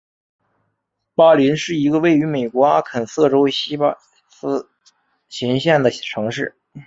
巴林是一个位于美国阿肯色州锡巴斯琴县的城市。